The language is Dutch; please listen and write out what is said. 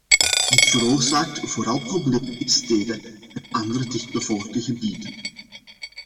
Dit veroorzaakt vooral problemen in steden en andere dichtbevolkte gebieden.